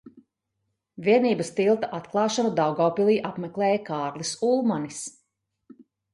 Vienības tilta atklāšanu Daugavpilī apmeklēja Kārlis Ulmanis.